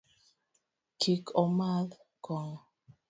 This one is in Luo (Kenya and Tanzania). Kik omadh kong'o.